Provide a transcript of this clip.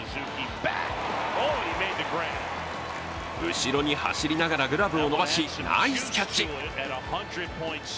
後ろに走りながらグラブを伸ばし、ナイスキャッチ。